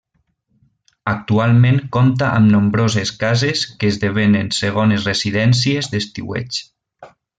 Actualment compta amb nombroses cases que esdevenen segones residències d'estiueig.